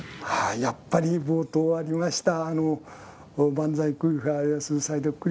やっぱり冒頭ありました。